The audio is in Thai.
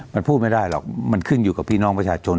มันพูดไม่ได้หรอกมันขึ้นอยู่กับพี่น้องประชาชน